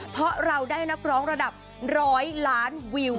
เพราะเราได้นักร้องระดับร้อยล้านวิว